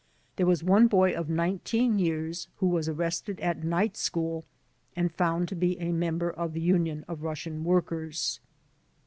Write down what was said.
There was one boy of 19 years who was arrested at night school and found to be a member of the Union of Russian Workers.